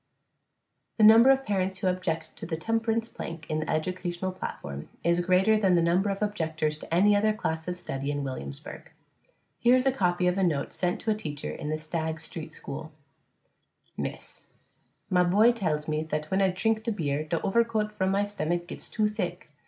The number of parents who object to the temperance plank in the educational platform is greater than the number of objectors to any other class of study in Williamsburg. Here is a copy of a note sent to a teacher in the Stagg Street school: _Miss _: My boy tells me that when I trink beer der overcoat vrom my stummack gets to thick.